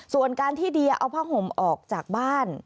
ส่วนการที่เดียเอาผ้าห่มออกจากบ้าน